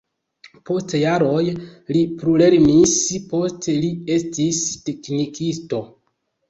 Post jaroj li plulernis, poste li estis teknikisto.